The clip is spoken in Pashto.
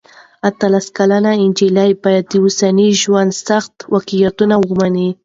اتلس کلنه نجلۍ باید د اوسني ژوند سخت واقعیتونه ومني.